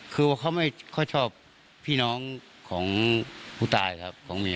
คือว่าเขาไม่ค่อยชอบพี่น้องของผู้ตายครับของเมีย